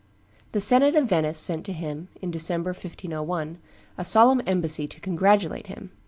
The senate of Venice sent to him, in December, 1501, a solemn embassy to congratulate him.